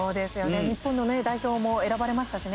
日本の代表も選ばれました。